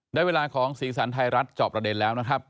ได้เวลาของสีสันไทยรัฐจอบประเด็นแล้วนะครับ